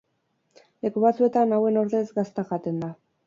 Leku batzuetan, hauen ordez, gazta jaten da.